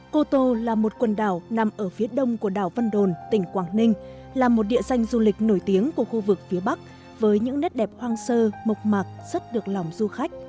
cô tô là một quần đảo nằm ở phía đông của đảo văn đồn tỉnh quảng ninh là một địa danh du lịch nổi tiếng của khu vực phía bắc với những nét đẹp hoang sơ mộc mạc rất được lòng du khách